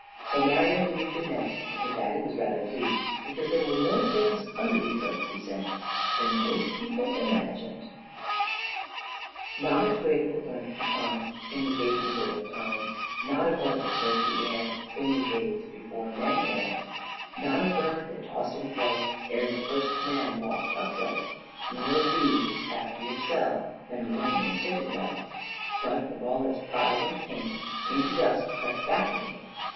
So Marian believed in them, and her daddy was rather pleased, because there were more things under the earth, he said, than most people imagined. Not a twig that learned to climb In the babyhood of time, Not a bud that broke the air In the days before men were, Not a bird that tossed in flight Ere the first man walked upright, Nor a bee with craftier cell Than a Roman citadel, But, with all its pride and pain, Into dust crept back again.